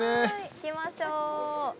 行きましょう。